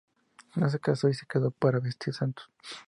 No se casó y se quedó para vestir santos